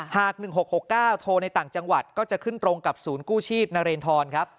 หาก๑๖๖๙โทรในต่างจังหวัดก็จะขึ้นตรงกับศูนย์กู้ชีพนเรนทรครับ